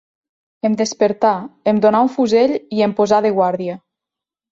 Em despertà, em donà un fusell i em posà de guàrdia